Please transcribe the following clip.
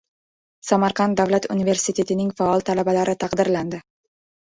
Samarqand davlat universitetining faol talabalari taqdirlandi